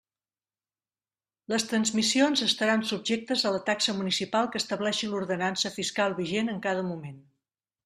Les transmissions estaran subjectes a la taxa municipal que estableixi l'ordenança fiscal vigent en cada moment.